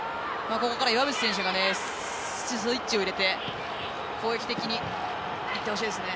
ここから岩渕選手がスイッチを入れて攻撃的にいってほしいですね。